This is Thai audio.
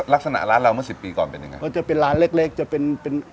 ร้านเราเมื่อสิบปีก่อนเป็นยังไงมันจะเป็นร้านเล็กเล็กจะเป็นเป็น